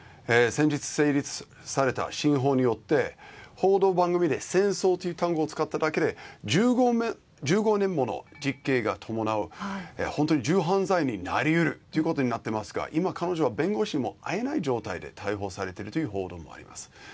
先日成立された新法によって報道番組で戦争という単語を使っただけで１５人もの実刑を伴う本当に重罪になり得るということになってますが今、彼女は弁護士にも会えない状態で逮捕されているという報道もあります。